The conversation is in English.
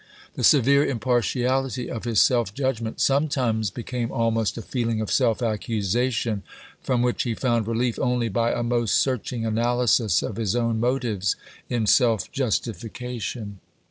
The severe impartiality of his self judg ment sometimes became almost a feeling of self accusation, from which he found relief only by a most searching analysis of his own motives in. self j ustification.